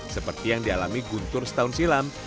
seperti yang dialami guntur setahun silam